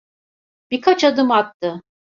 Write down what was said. Birkaç adım attı.